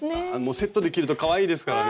セットで着るとかわいいですからね。